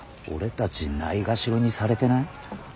俺たちないがしろにされてない？